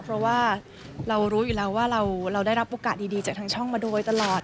เพราะว่าเรารู้อยู่แล้วว่าเราได้รับโอกาสดีจากทางช่องมาโดยตลอด